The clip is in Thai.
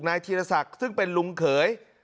ธีรศักดิ์ซึ่งเป็นลุงเขย